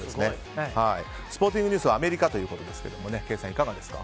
スポーティングニュースはアメリカということですがケイさん、いかがですか。